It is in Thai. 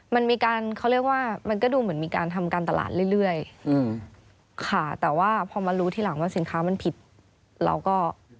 มันมีการเขาเรียกว่ามันก็ดูเหมือนมีการทำการตลาดเรื่อยค่ะแต่ว่าพอมารู้ทีหลังว่าสินค้ามันผิดเราก็